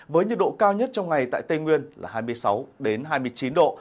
với nhiệt độ cao nhất trong ngày tại tây nguyên là hai mươi sáu hai mươi chín độ